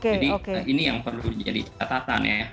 jadi ini yang perlu jadi catatan ya